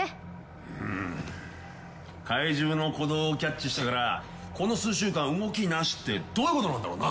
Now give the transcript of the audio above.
うん怪獣の鼓動をキャッチしてからこの数週間動きなしってどういうことなんだろうな？